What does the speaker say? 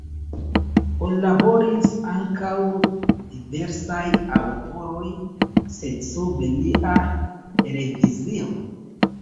Kunlaboris ankaŭ diversaj aŭtoroj, sed sub lia revizio.